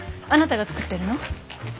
あなたが作ってるの？